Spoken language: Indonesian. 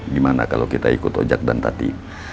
gimana kalau kita ikut ojek dan tati